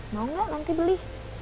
mau nggak nanti beli